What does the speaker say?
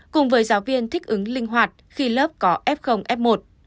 cùng với giáo viên thích ứng linh hoạt khi lớp có f f một